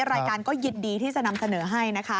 รายการก็ยินดีที่จะนำเสนอให้นะคะ